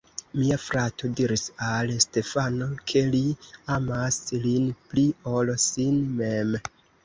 Mia frato diris al Stefano, ke li amas lin pli, ol sin mem.